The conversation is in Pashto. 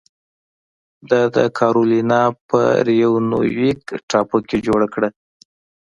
دا د کارولینا په ریونویک ټاپو کې جوړه کړه.